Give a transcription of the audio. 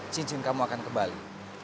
cincin kamu akan kembali